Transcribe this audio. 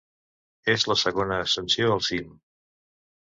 És la segona ascensió al cim.